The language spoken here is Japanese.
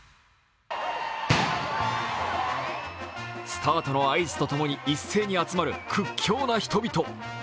スタートの合図とともに一斉に集まる屈強な人々。